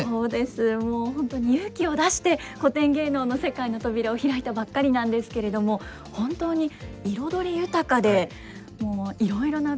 もう本当に勇気を出して古典芸能の世界の扉を開いたばっかりなんですけれども本当に彩り豊かでもういろいろな分野に今は興味津々です。